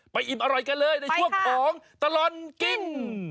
อิ่มอร่อยกันเลยในช่วงของตลอดกิน